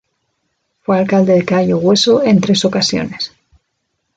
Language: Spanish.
Fue alcalde de Cayo Hueso en tres ocasiones.